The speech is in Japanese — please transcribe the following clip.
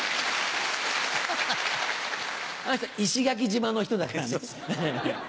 あの人石垣島の人だからね。